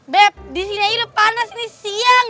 beb di sini aja panas ini siang